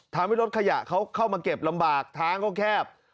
ทำให้รถขยะเขาเข้ามาเก็บลำบากทางก็แคบ